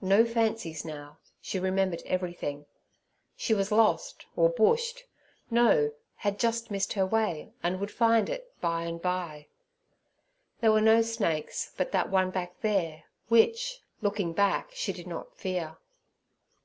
No fancies now; she remembered everything. She was lost, or Bushed—no, had just missed her way, and would find it by and by. There were no snakes but that one back there, which, looking back, she did not fear.